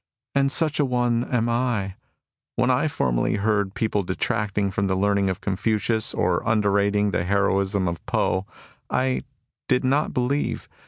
And such a one am I. " \\nien formerly I heard people detracting from the learning of C!onfucius or underrating the heroism of Poh I, I did not believe.